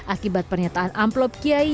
akibat pernyataan amplop kiai yang menyebutkan